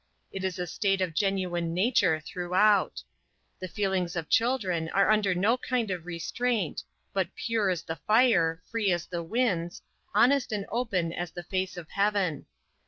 It is a state of genuine nature throughout. The feelings of children are under no kind of restraint, but pure as the fire, free as the winds, honest and open as the face of heaven.